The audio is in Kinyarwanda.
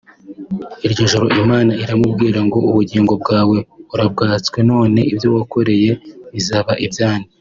Iryo joro Imana iramubwira ngo ubugingo bwawe urabwatswe none ibyo wakoreye bizaba ibya nde